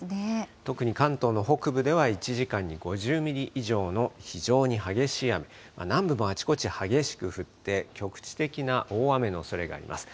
特に関東の北部では、１時間に５０ミリ以上の非常に激しい雨、南部もあちこち激しく降って、局地的な大雨のおそれがあります。